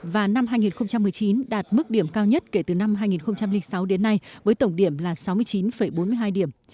và năm hai nghìn một mươi chín đạt mức điểm cao nhất kể từ năm hai nghìn sáu đến nay với tổng điểm là sáu mươi chín bốn mươi hai điểm